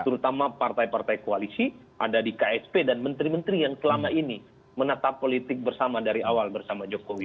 terutama partai partai koalisi ada di ksp dan menteri menteri yang selama ini menatap politik bersama dari awal bersama jokowi